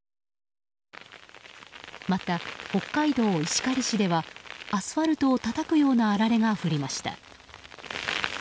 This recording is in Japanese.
また、北海道石狩市ではアスファルトをたたくようなあられが降りました。